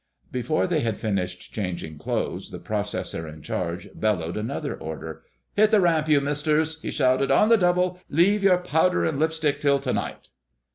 Before they had finished changing clothes the processor in charge bellowed another order. "Hit the ramp, you Misters!" he shouted. "On the double! Leave your powder and lipstick till tonight."